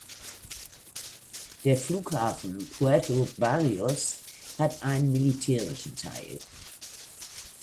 Der Flughafen Puerto Barrios hat einen militärischen Teil.